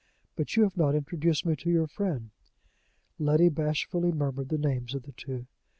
But you have not introduced me to your friend." Letty bashfully murmured the names of the two.